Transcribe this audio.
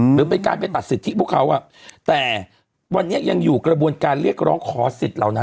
หรือเป็นการไปตัดสิทธิพวกเขาแต่วันนี้ยังอยู่กระบวนการเรียกร้องขอสิทธิ์เหล่านั้น